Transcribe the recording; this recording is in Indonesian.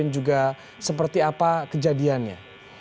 juga seperti apa kejadiannya